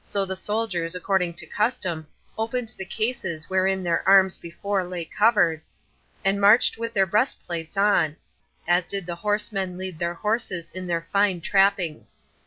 So the soldiers, according to custom, opened the cases wherein their arms before lay covered, and marched with their breastplates on, as did the horsemen lead their horses in their fine trappings.